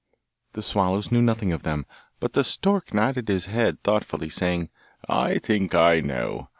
The swallows knew nothing of them, but the stork nodded his head thoughtfully, saying, 'I think I know.